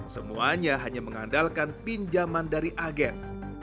semuanya hanya mengandalkan pinjaman dari agen